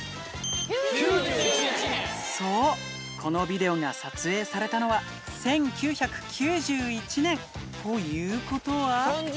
そう、このビデオが撮影されたのは、１９９１年、ということは。